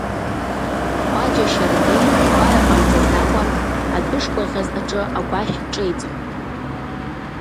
Хәаџьа-Шьардын гәара ҟамҵаӡакәа адәышкәаӷьаз аҿы агәашә ҿеиҵон.